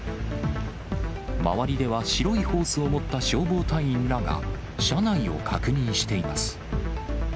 周りでは白いホースを持った消防隊員らが車内を確認しています。